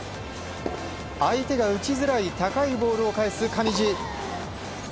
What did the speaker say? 相手が打ちづらい高いボールを返す上地。